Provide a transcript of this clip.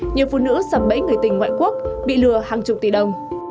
nhiều phụ nữ sập bẫy người tình ngoại quốc bị lừa hàng chục tỷ đồng